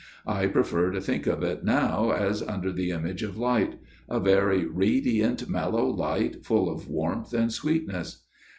I prefer to speak of it now as under the image of light a very radiant mellow light full of warmth and sweetness.